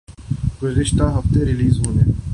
گزشتہ ہفتے ریلیز ہونے